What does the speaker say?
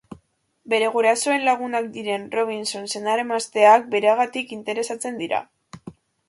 Bere gurasoen lagunak diren Robinson senar-emazteak beragatik interesatzen dira.